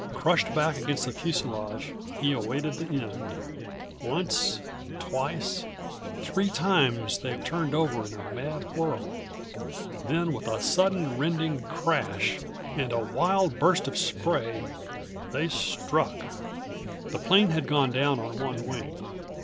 Crushed back against the fuselage, he awaited the end. Once, twice, three times they turned over in a mad whirl. Then, with a sudden rending crash and a wild burst of spray, they struck. The plane had gone down on one wing.